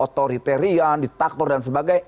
yang otoritarian di taktor dan sebagainya